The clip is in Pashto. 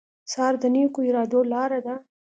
سهار د نیکو ارادو لاره ده.